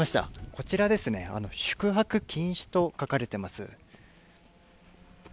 こちらですね、「宿泊禁止」と書かれています。